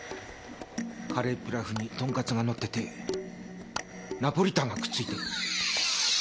カレーピラフにトンカツが乗っててナポリタンがくっついてる。